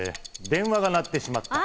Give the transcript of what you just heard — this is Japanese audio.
電話が鳴ってしまった。